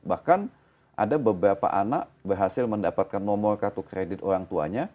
bahkan ada beberapa anak berhasil mendapatkan nomor kartu kredit orang tuanya